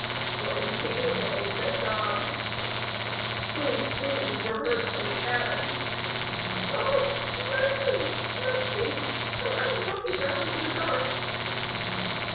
"Go and take it away," said Dodd. Soon screams were heard from the cabin. "Oh! mercy! mercy! I will not be drowned in the dark."